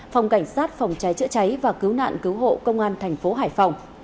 phòng cảnh sát phòng cháy chữa cháy và cứu nạn cứu hộ công an thành phố hải phòng